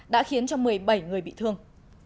đã khiến cho một mươi bảy người bị thương